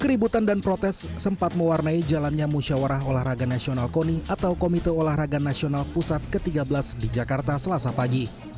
keributan dan protes sempat mewarnai jalannya musyawarah olahraga nasional koni atau komite olahraga nasional pusat ke tiga belas di jakarta selasa pagi